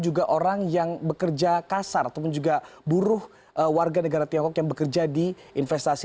juga orang yang bekerja kasar ataupun juga buruh warga negara tiongkok yang bekerja di investasi